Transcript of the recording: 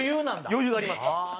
余裕があります。